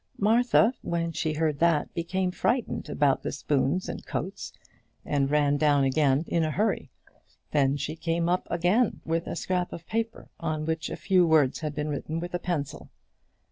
Martha, when she heard that, became frightened about the spoons and coats, and ran down again in a hurry. Then she came up again with a scrap of paper, on which a few words had been written with a pencil.